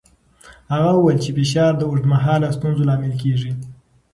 هغه وویل چې فشار د اوږدمهاله ستونزو لامل کېږي.